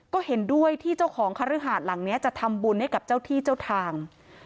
ก็เห็นด้วยที่เจ้าของคฤหาดหลังนี้จะทำบุญให้กับเจ้าที่เจ้าทาง